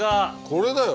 これだよ